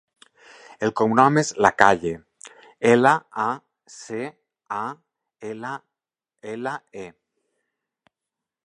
El cognom és Lacalle: ela, a, ce, a, ela, ela, e.